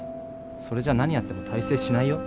それじゃ何やっても大成しないよ。